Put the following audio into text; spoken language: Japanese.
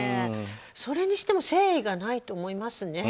それにしても誠意がないと思いますね。